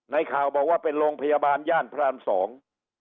ข่าวบอกว่าเป็นโรงพยาบาลย่านพรานสอง